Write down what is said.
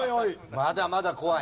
まだまだ怖い。